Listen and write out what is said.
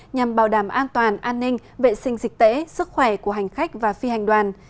nhằm bảo đảm an toàn an ninh vệ sinh dịch tễ sức khỏe của hành khách và phi hành đoàn